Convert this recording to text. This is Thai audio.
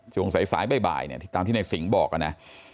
ช่วงสายบ่ายเนี่ยที่ตามที่ในสิงห์บอกนะ